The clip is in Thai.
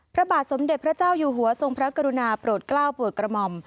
พระบาทสมเด็จพระเจ้าอยู่หัวทรงพระกรุณาโปรดกล้าวโปรดกระหม่อม